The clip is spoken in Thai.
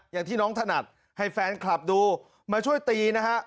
อย่างที่น้องถนัดให้แฟนคลับดูมาช่วยตีนะฮะ